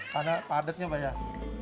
karena padatnya banyak